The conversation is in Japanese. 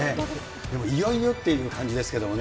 でもいよいよって感じですけどもね。